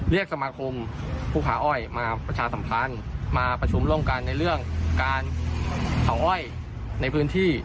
สมาคมผู้ค้าอ้อยมาประชาสัมพันธ์มาประชุมร่วมกันในเรื่องการเผาอ้อยในพื้นที่